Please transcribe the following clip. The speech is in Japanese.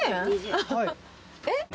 えっ？